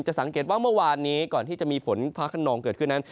สังเกตว่าเมื่อวานนี้ก่อนที่จะมีฝนฟ้าขนองเกิดขึ้นนั้น